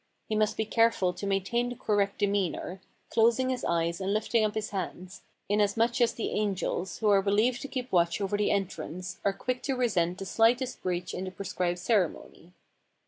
He must be careful to maintain the cor rect demeanor, closing his eyes and lifting up his hands, inasmuch as the angels, who are believed to keep watch over the entrance, are quick to resent the slightest breach in the prescribed ceremony.